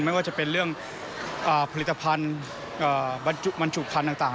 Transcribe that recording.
ไม่ว่าจะเป็นเรื่องผลิตภัณฑ์บรรจุพันธุ์ต่าง